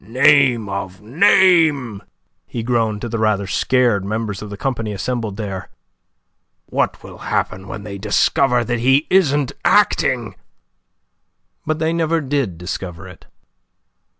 "Name of a name," he groaned to the rather scared members of the company assembled there, "what will happen when they discover that he isn't acting?" But they never did discover it.